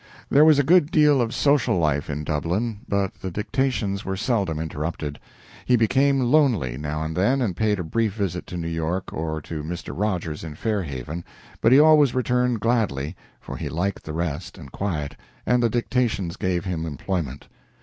There was a good deal of social life in Dublin, but, the dictations were seldom interrupted. He became lonely, now and then, and paid a brief visit to New York, or to Mr. Rogers in Fairhaven, but he always returned gladly, for he liked the rest and quiet, and the dictations gave him employment.